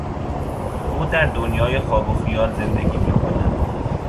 او در دنیای خواب و خیال زندگی میکند.